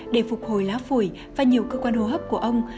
để phục hồi lá phổi và nhiều cơ quan hô hấp của ông